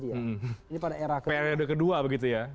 ini pada era kedua